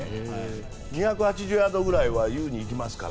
２８０ヤードぐらいは優に行きますから。